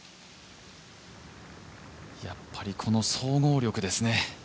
やっぱりこの総合力ですね。